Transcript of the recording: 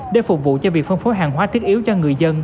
để phục vụ cho việc phân phối hàng hóa thiết yếu cho người dân